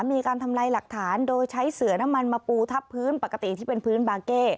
มีการทำลายหลักฐานโดยใช้เสือน้ำมันมาปูทับพื้นปกติที่เป็นพื้นบาร์เก้